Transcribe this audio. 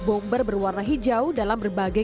bomber berwarna hijau dalam berbagai